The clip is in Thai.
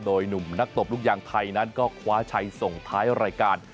โดยหนุ่มนักตบลูกยางไทยนั้นก็คว้าชัยส่งท้ายรายการ